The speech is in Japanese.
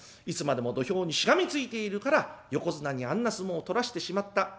いつまでも土俵にしがみついているから横綱にあんな相撲を取らしてしまった。